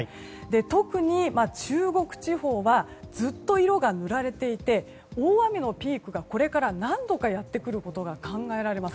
特に中国地方はずっと色が塗られていて大雨のピークがこれから何度かやってくることが考えられます。